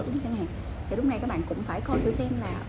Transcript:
thì lúc này các bạn cũng phải coi thử xem là